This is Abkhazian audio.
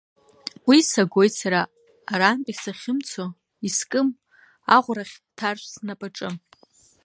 Уи сагоит сара арантәи сахьымцо, искым аӷәрагь ҭаршә снапаҿы.